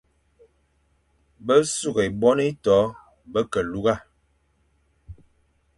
Besughʼé bone ieto be ke lugha.